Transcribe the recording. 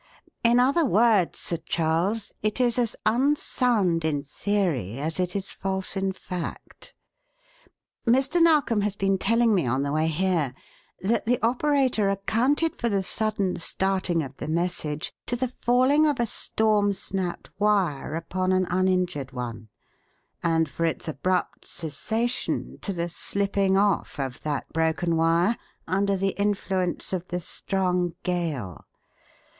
In other words, Sir Charles, it is as unsound in theory as it is false in fact. Mr. Narkom has been telling me on the way here that the operator accounted for the sudden starting of the message to the falling of a storm snapped wire upon an uninjured one, and for its abrupt cessation to the slipping off of that broken wire under the influence of the strong gale.